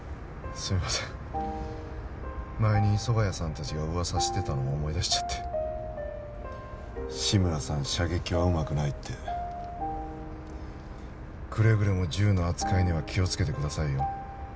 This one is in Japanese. すいません前に磯ヶ谷さん達が噂してたのを思い出しちゃって志村さん射撃はうまくないってくれぐれも銃の扱いには気をつけてくださいよ